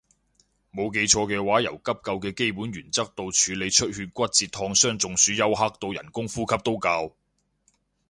冇記錯嘅話由急救嘅基本原則到處理出血骨折燙傷中暑休克到人工呼吸都教